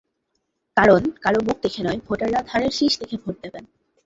কারণ, কারও মুখ দেখে নয়, ভোটাররা ধানের শীষ দেখে ভোট দেবেন।